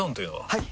はい！